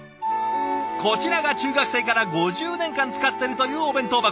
こちらが中学生から５０年間使っているというお弁当箱。